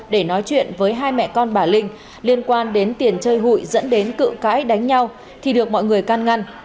để nói chuyện với hai mẹ con bà linh liên quan đến tiền chơi hụi dẫn đến cự cãi đánh nhau thì được mọi người can ngăn